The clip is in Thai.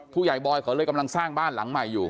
บอยเขาเลยกำลังสร้างบ้านหลังใหม่อยู่